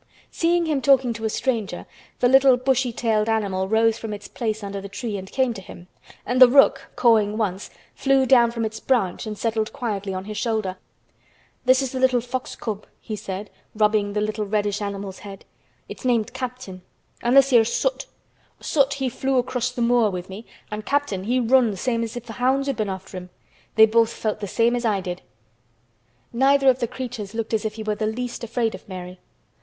Seeing him talking to a stranger, the little bushy tailed animal rose from its place under the tree and came to him, and the rook, cawing once, flew down from its branch and settled quietly on his shoulder. "This is th' little fox cub," he said, rubbing the little reddish animal's head. "It's named Captain. An' this here's Soot. Soot he flew across th' moor with me an' Captain he run same as if th' hounds had been after him. They both felt same as I did." Neither of the creatures looked as if he were the least afraid of Mary.